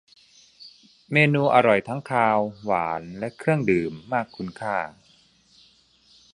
เมนูอร่อยทั้งคาว หวาน และเครื่องดื่ม มากคุณค่า